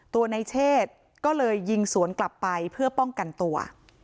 ตัวในเชศก็เลยยิงสวนกลับไปเพื่อป้องกันตัว